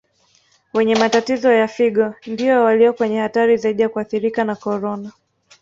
Wenye matatizo ya Figo ndiyo walio kwenye hatari zaidi ya kuathirika na Corona